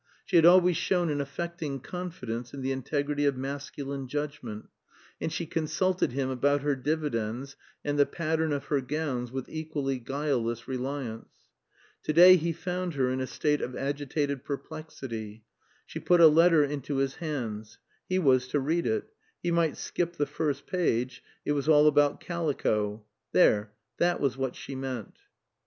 She had always shown an affecting confidence in the integrity of masculine judgment, and she consulted him about her dividends and the pattern of her gowns with equally guileless reliance. To day he found her in a state of agitated perplexity. She put a letter into his hands. He was to read it; he might skip the first page, it was all about calico. There that was what she meant.